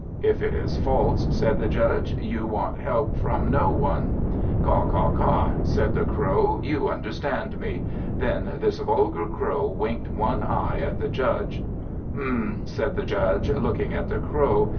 "If it is false," said the Judge, "you want help from no one." "Caw, caw, caw!" said the Crow, "you understand me." Then this vulgar Crow winked one eye at the Judge. "Hm, hm," said the Judge, looking at the Crow.